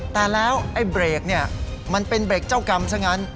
แต่แล้วเบรกมันเป็นเบรกเจ้ากรรมซะงั้น